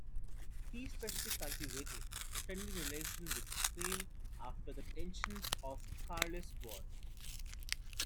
He especially cultivated friendly relations with Spain after the tensions of the Carlist War.